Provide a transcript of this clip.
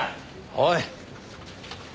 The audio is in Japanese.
おい。